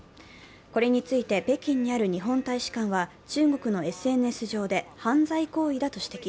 これについて、北京にある日本大使館は中国のＳＮＳ上で犯罪行為だと指摘。